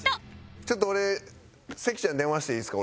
ちょっと俺関ちゃんに電話していいですか？